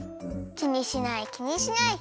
きにしないきにしない！